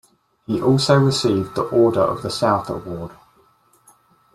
He also received the Order of the South award.